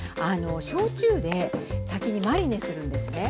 焼酎で先にマリネするんですね。